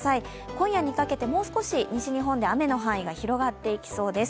今夜にかけて、もう少し西日本で雨の範囲が広がっていきそうです。